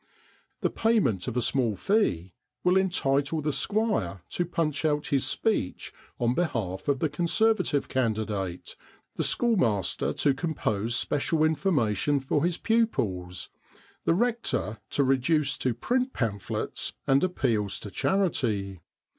The payment of a small fee will entitle the Squire to punch out his speech on behalf of the Conservative Candidate, the Schoolmaster to compose special information for his pupils, the Rector to reduce to print pamphlets and appeals to charity.